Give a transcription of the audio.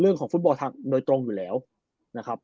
เรื่องของฟุตบอลทางโดยตรงอยู่แล้วนะครับ